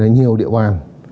nhiều địa hoàng